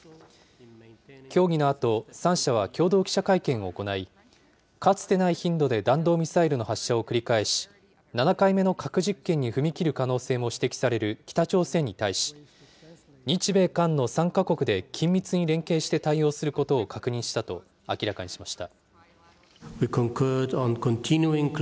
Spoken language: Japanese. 協議のあと、３者は共同記者会見を行い、かつてない頻度で弾道ミサイルの発射を繰り返し、７回目の核実験に踏み切る可能性も指摘される北朝鮮に対し、日米韓の３か国で緊密に連携して対応することを確認したと明らかにしました。